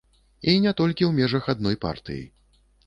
І не толькі ў межах адной партыі.